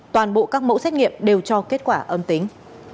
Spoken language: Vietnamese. toàn bộ các mẫu xét nghiệm đều cho kết quả âm tính